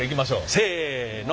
せの。